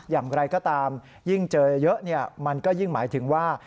อย่างไรก็ตามยิ่งเจอเยอะมันก็ยิ่งหมายถึงว่า